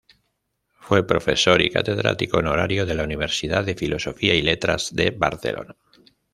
Fue profesor y catedrático honorario de la Universidad de Filosofía y Letras de Barcelona.